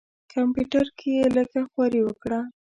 کمپیوټر کې یې لږه خواري وکړه.